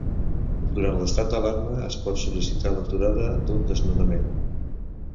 Durant l'estat d'alarma es pot sol·licitar l'aturada d'un desnonament.